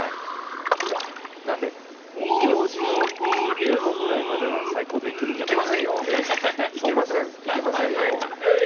なので、行司の横くらいまでは最高で行けるんじゃないか。